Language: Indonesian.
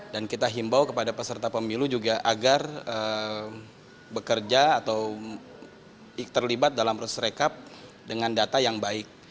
dan kita himbau kepada peserta pemilu juga agar bekerja atau terlibat dalam resrekap dengan data yang baik